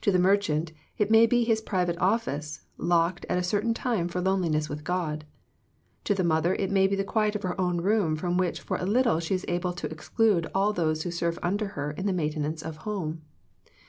To the merchant, it may be his private office, locked at a certain time for loneliness with God. To the mother it may be the quiet of her own room from w^hich for a little she is able to exclude all those who serve under her in the maintenance of home.